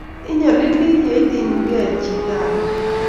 inyalili ye iting'chigei chito age